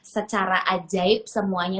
secara ajaib semuanya